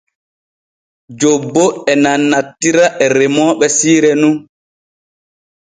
Jobbo e nanantira e remooɓe siire nun.